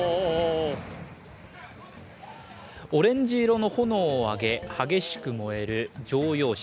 オレンジ色の炎を上げ激しく燃える乗用車。